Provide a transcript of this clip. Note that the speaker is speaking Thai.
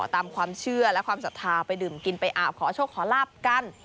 ตามความเชื่อและความศรัทธาไปดื่มกินไปอาบขอโชคขอลาบกัน